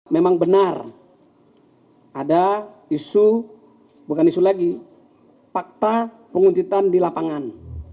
memang benar ada isu bukan isu lagi fakta penguntitan di lapangan